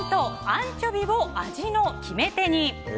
アンチョビを味の決め手に！